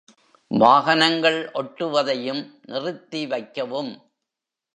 வாகனங்கள் ஒட்டுவதையும் நிறுத்தி வைக்கவும்.